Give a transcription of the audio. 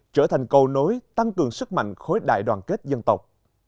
trở thành cầu nối tăng cường sức mạnh khối đại đoàn kết dân tộc